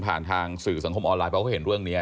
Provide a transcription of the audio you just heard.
ผ่านทางสื่อสังคมออนไลน์เขาก็เห็นเรื่องนี้